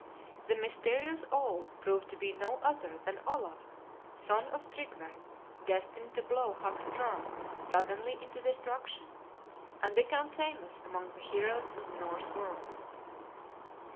The mysterious "Ole" proved to be no other than Olaf, son of Tryggve, destined to blow Hakon Jarl suddenly into destruction, and become famous among the heroes of the Norse world.